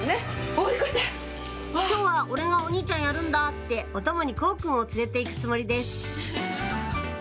「今日は俺がお兄ちゃんやるんだ」ってお供に幸くんを連れて行くつもりです